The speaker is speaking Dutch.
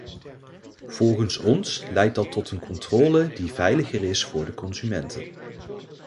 Volgens ons leidt dat tot een controle die veiliger is voor de consumenten.